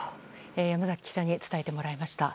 山崎記者に伝えてもらいました。